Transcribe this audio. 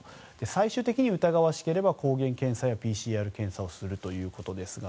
最終的に疑わしければ抗原検査やＰＣＲ検査をするということですが。